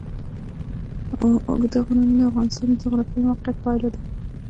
اوږده غرونه د افغانستان د جغرافیایي موقیعت پایله ده.